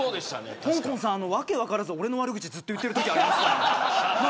ほんこんさん、訳も分からず俺の悪口をずっと言っているときありますから。